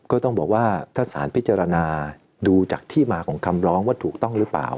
ก็ต้องบอกว่าถ้าสารพิจารณาดูจากที่มาของคำร้องว่าถูกต้องหรือเปล่า